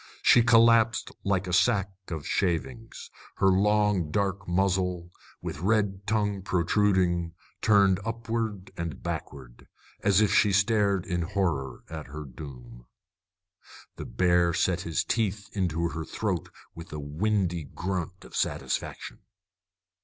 She collapsed like a sack of shavings, her long dark muzzle, with red tongue protruding, turned upward and backward, as if she stared in horror at her doom. The bear set his teeth into her throat with a windy grunt of satisfaction.